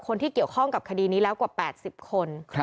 คนที่เกี่ยวข้องกับคดีนี้แล้วกว่า๘๐คน